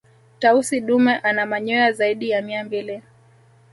tausi dume una manyoa zaidi ya mia mbili